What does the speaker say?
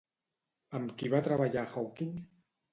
Amb qui va treballar Hawking?